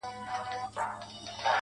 زما ځوانمرگ وماته وايي.